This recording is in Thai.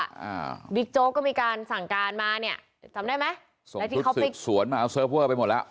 อ่าบิ๊กโจ๊กก็มีการสั่งการมาเนี่ยจำได้ไหมส่วนมาเอาเซิร์ฟเวอร์ไปหมดแล้ว